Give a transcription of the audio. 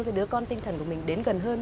thì đứa con tinh thần của mình đến gần hơn